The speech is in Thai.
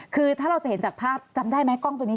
คือถ้าเราจะเห็นจากภาพจำได้ไหมกล้องตัวนี้